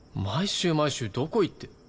毎週毎週どこ行って。